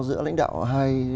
giữa lãnh đạo hai